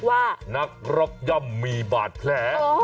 ว่านักรบย่อมมีบาดแผล